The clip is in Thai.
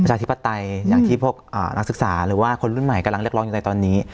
ธิปไตยอย่างที่พวกนักศึกษาหรือว่าคนรุ่นใหม่กำลังเรียกร้องอยู่ในตอนนี้